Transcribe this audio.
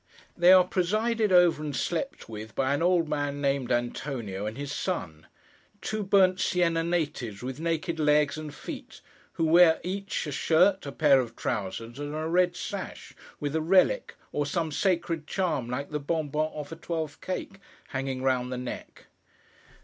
They are presided over, and slept with, by an old man named Antonio, and his son; two burnt sienna natives with naked legs and feet, who wear, each, a shirt, a pair of trousers, and a red sash, with a relic, or some sacred charm like the bonbon off a twelfth cake, hanging round the neck.